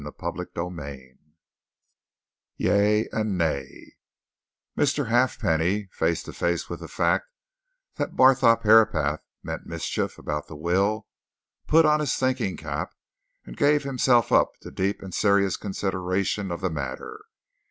CHAPTER XXII YEA AND NAY Mr. Halfpenny, face to face with the fact that Barthorpe Herapath meant mischief about the will, put on his thinking cap and gave himself up to a deep and serious consideration of the matter.